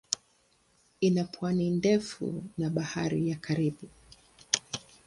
Ina pwani ndefu na Bahari ya Karibi.